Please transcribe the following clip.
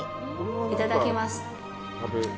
いただきます。